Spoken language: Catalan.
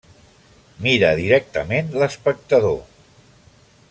Mira directament l'espectador.